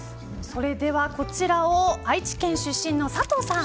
それでは、こちらを愛知県出身の佐藤さん。